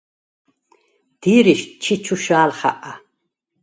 დი̄რიშდ ჩი̄ ჩუშა̄ლ ხაყა.